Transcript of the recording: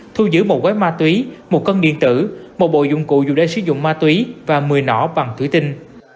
thu giữ một gói ma túy một cân điện tử một bộ dụng cụ dùng để sử dụng ma túy và một mươi nỏ bằng thủy tinh